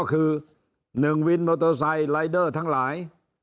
ก็คือหนึ่งวินมอเตอร์ไซด์ลายเดอร์ทั้งหลาย